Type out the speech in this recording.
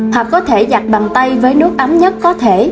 họ có thể giặt bằng tay với nước ấm nhất có thể